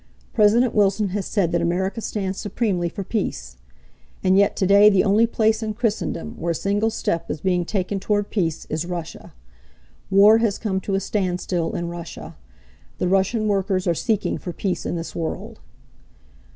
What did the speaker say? President Wilson has said that America stands supremely for peace. And yet today the only place in Christendom where a single step is being taken toward peace is RUSSIA. War has come to a standstill in Russia. The Russian workers are seeking for peace in this world.